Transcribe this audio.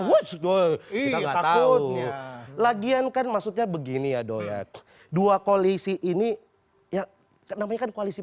wujud kita takutnya lagian kan maksudnya begini ya doyek dua koalisi ini ya kenapa ikan koalisi